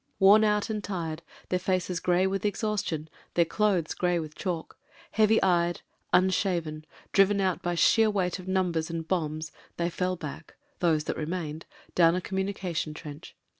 Worn out and tired, their faces grey with exhaustion, their clothes grey with chalk, heavy eyed, unshaven, driven out by sheer weight of numbers «and bombs, they fell back — those that remained — down a com munication trench.